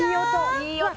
いい音！